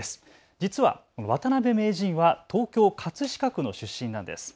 実は渡辺名人は東京葛飾区の出身なんです。